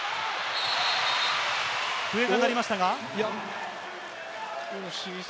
笛が鳴りましたが。